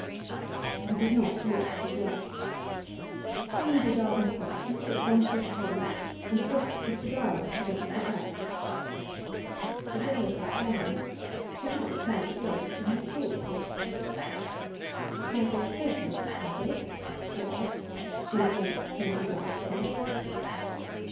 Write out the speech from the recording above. He did not look at his wife. Coming to a garden seat, he put up one foot upon it, and brushed the cigar ash against the back. Adela sat down; she had not replied at once, and was thoughtful. 'As a Socialist candidate?' she asked, when at length he turned his eyes to her.